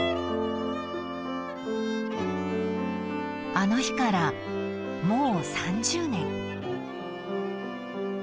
［あの日からもう３０年］